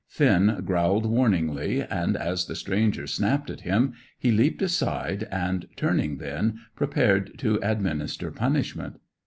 Finn growled warningly, and, as the stranger snapped at him, he leaped aside and, turning then, prepared to administer punishment.